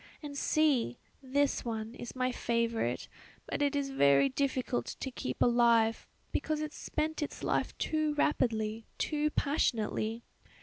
"And see! This one is my favourite, but it is very difficult to keep alive because it spent its life too rapidly, too passionately.